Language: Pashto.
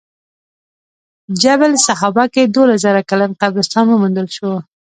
جبل سحابه کې دولس زره کلن قبرستان وموندل شو.